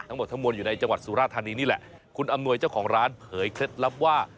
ทั้งหมดทั้งมวลอยู่ในจังหวัดสุราธานีนี่แหละคุณอำนวยเจ้าของร้านเผยเคล็ดลับว่า